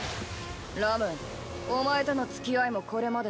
ラムお前との付き合いもこれまでだな